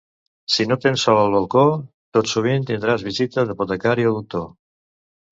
Si no tens sol al balcó, tot sovint tindràs visita d'apotecari o doctor.